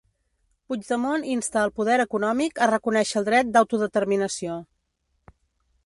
Puigdemont insta al poder econòmic a reconèixer el dret d'autodeterminació